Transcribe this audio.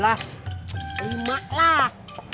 rp lima lah